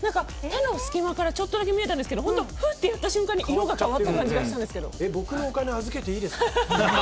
手の隙間からちょっとだけ見えたんですけど本当、ふーっとやった瞬間に色が変わった僕のお金、預けていいですか？